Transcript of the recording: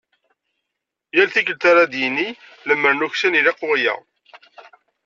Yal tikkelt ara d-yini: "Lemmer nuksan ilaq waya".